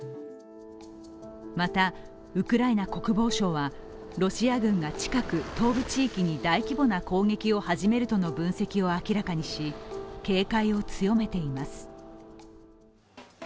また、ウクライナ国防省はロシア軍が近く東部地域に大規模な攻撃を始めるとの分析を明らかにし、警戒を強めています。